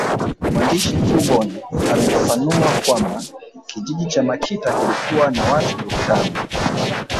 Mwandishi Fullborn amefafanua kwamba kijiji cha Makita kilikuwa na watu elfu tano